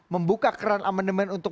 membuka kran amendement untuk